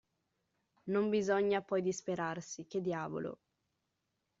Non bisogna poi disperarsi; che diavolo.